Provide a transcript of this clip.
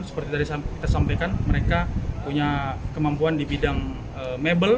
seperti tadi kita sampaikan mereka punya kemampuan di bidang mebel